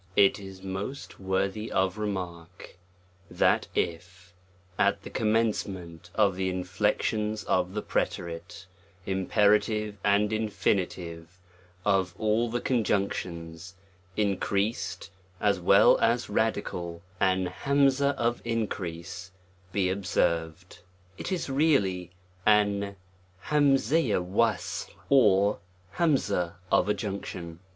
IT is most worthy of remark, that if, at the com mencement of the inflections of the preterite, im perative, and infinitive of all the conjugations, in creased, as well as radical, an ^ r A of increase be observed, it is really an J*s^ s^ r A or ' of adjunction.